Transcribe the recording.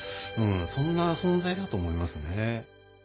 そんな存在だと思いますね。